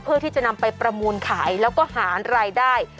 เพื่อที่จะนำไปประมูลขายแล้วก็หารายได้